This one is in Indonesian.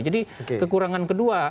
jadi kekurangan kedua